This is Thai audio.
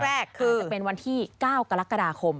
มันจะเป็นวันที่๙กรกฎาคม